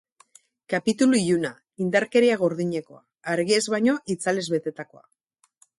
Kapitulu iluna, indarkeria gordinekoa, argiez baino itzalez betetakoa.